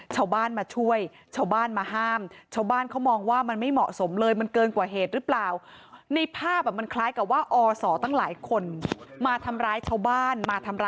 ชาวบ้านมาช่วยชาวบ้านมาห้าม